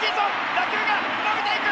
打球が伸びていく！